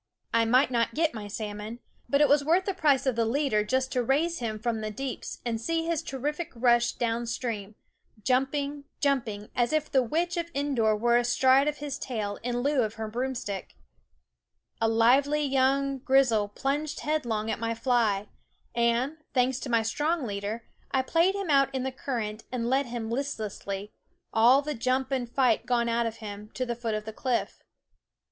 I might not get my salmon ; but it was worth the price of 9 SCHOOL Of , the leader just to raise him from the deeps >z \7 M JL an d see his terrific rush downstream, iump UhenYou Meef ...' J Bear m g> J um P m g> as the witch of kndor were astride of his tail in lieu of her broomstick. A lively young grilse plunged headlong at my fly and, thanks to my strong leader, I played him out in the current and led him listlessly, all the jump and fight gone out of him, to the foot of the cliff.